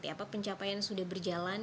apa pencapaian sudah berjalan